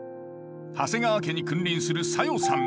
長谷川家に君臨する小夜さん。